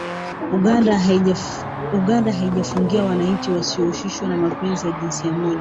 Uganda yaifungia wananchi wanaojihusisha na mapenzi ya jinsia moja